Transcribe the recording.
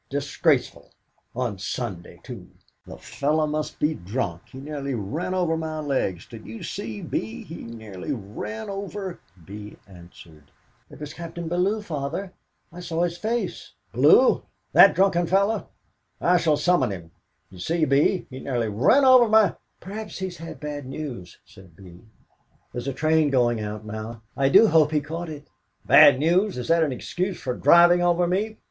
Disgraceful! On Sunday, too! The fellow must be drunk; he nearly ran over my legs. Did you see, Bee, he nearly ran over " Bee answered: "It was Captain Bellew, Father; I saw his face." "Bellew? That drunken fellow? I shall summons him. Did you see, Bee, he nearly ran over my " "Perhaps he's had bad news," said Bee. "There's the train going out now; I do hope he caught it!" "Bad news! Is that an excuse for driving over me?